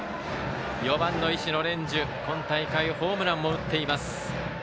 ４番の石野蓮授今大会、ホームランも打っています。